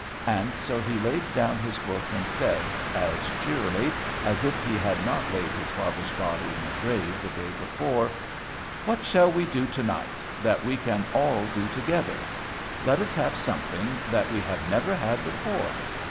And so he laid down his book, and said, as cheerily as if he had not laid his father's body in the grave the day before, "What shall we do to night that we can all do together? Let us have something that we have never had before.